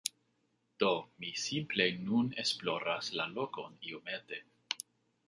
Do, mi simple nun esploras la lokon iomete